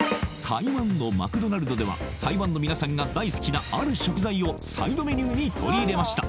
台湾のマクドナルドでは台湾のみなさんが大好きなある食材をサイドメニューに取り入れました